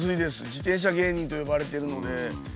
「自転車芸人」と呼ばれてるので。